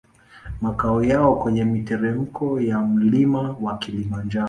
Makao yao kwenye miteremko ya mlima wa Kilimanjaro